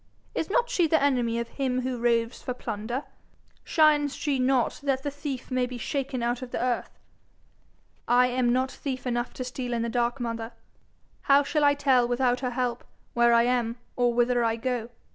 "Is not she the enemy of him who roves for plunder? Shines she not that the thief may be shaken out of the earth?' 'I am not thief enough to steal in the dark, mother. How shall I tell without her help where I am or whither I go?'